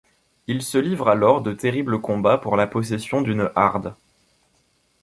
Ils se livrent alors de terribles combats pour la possession d'une harde.